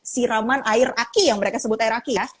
siraman air aki yang mereka sebut air aki ya